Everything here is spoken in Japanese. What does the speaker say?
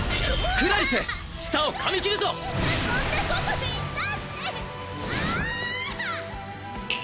クラリス舌を噛み切るぞそんなこと言ったってああ！